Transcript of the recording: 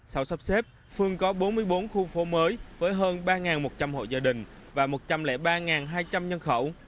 sau sắp xếp phường có bốn mươi bốn khu phố mới với hơn ba một trăm linh hộ gia đình và một trăm linh ba hai trăm linh nhân khẩu